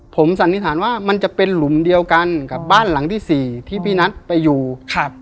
ผมสันนิษฐานว่ามันจะเป็นหลุมเดียวกันกับบ้านหลังที่สี่ที่พี่นัทไปอยู่ครับ